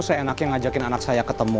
seenaknya ngajakin anak saya ketemu